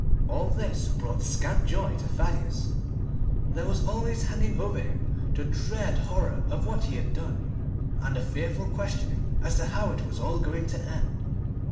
All this brought scant joy to Thaddeus. There was always hanging over him the dread horror of what he had done, and the fearful questioning as to how it was all going to end.